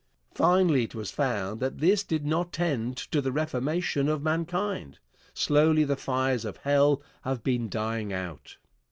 Finally it was found that this did not tend to the reformation of mankind. Slowly the fires of hell have been dying out.